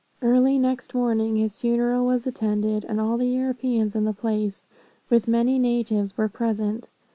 "Early next morning, his funeral was attended, and all the Europeans in the place, with many natives, were present.